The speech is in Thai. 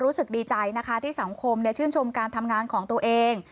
รู้สึกดีใจนะคะที่สังคมชื่นชมการทำงานของตัวเอง